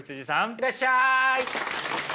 いらっしゃい。